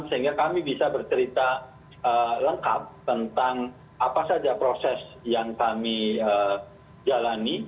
sehingga kami bisa bercerita lengkap tentang apa saja proses yang kami jalani